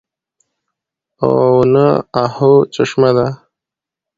او نه اۤهو چشمه ده